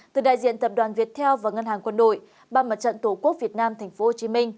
từ đại diện tập đoàn việt theo và ngân hàng quân đội ban mặt trận tổ quốc việt nam tp hcm